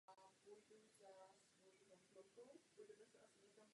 Velkou popularitu v celé Itálii si získal svými operami.